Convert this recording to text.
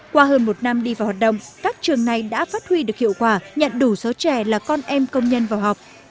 qua hơn một năm đi vào hoạt động các trường này đã phát huy được hiệu quả nhận đủ số trẻ là con em công nhân vào học